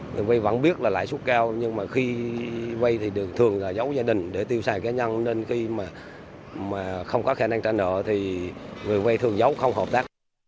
người vai vẫn biết là lãi suất cao nhưng mà khi vai thì thường là giấu gia đình để tiêu sài cá nhân nên khi mà không có khả năng trả nợ thì người vai thường giấu không hợp tác